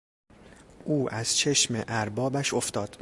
او از چشم اربابش افتاد.